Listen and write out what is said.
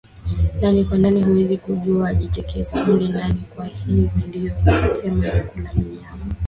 ndani kwa ndani Huwezi kujua anajitikisa mle ndani Kwahiyo ndio nikasema na kula nyama